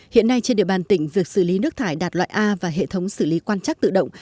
hiện nay trên địa bàn tỉnh việc xử lý nước thải đạt loại a và hệ thống xử lý quan chắc tự động